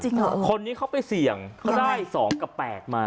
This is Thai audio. คนนี้เขาไปเสี่ยงเขาได้๒กับ๘มา